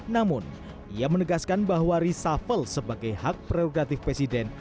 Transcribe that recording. namun ia menegaskan bahwa reshuffle sebagai hak prerogatif presiden